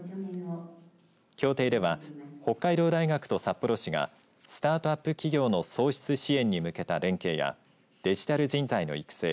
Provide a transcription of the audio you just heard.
協定では北海道大学と札幌市がスタートアップ企業の創出支援に向けた連携やデジタル人材の育成